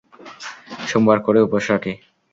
সোমবার করে উপোষ রাখি।